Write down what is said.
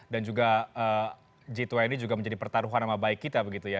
dan juga g dua puluh juga menjadi pertaruhan sama baik kita begitu ya